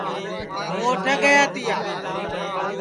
ہُوں اُوٹھے گَیا تِیا